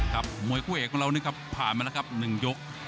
มวยคู่เอกของเรานี่ครับผ่านมาแล้วครับ๑ยก